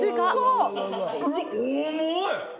うわ重い！